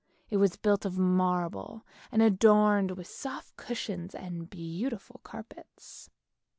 It was built of marble and adorned with soft cushions and beautiful carpets.